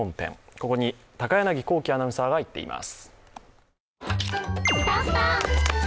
ここに高柳光希アナウンサーが行っています。